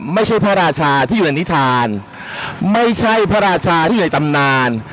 พระราชาที่อยู่ในนิทานไม่ใช่พระราชาที่อยู่ในตำนาน